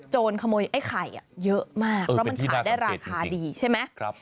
ขโมยไอ้ไข่เยอะมากเพราะมันขายได้ราคาดีใช่ไหม